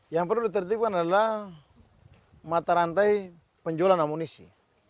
yang perlu ditertibkan adalah mata rantai penjualan amunisi